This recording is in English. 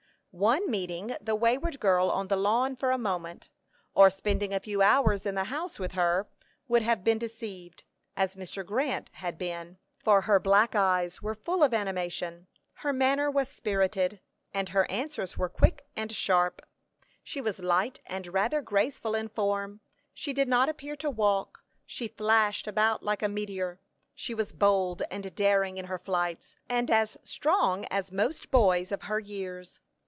One meeting the wayward girl on the lawn for a moment, or spending a few hours in the house with her, would have been deceived, as Mr. Grant had been, for her black eyes were full of animation; her manner was spirited, and her answers were quick and sharp. She was light and rather graceful in form; she did not appear to walk; she flashed about like a meteor. She was bold and daring in her flights, and as strong as most boys of her years.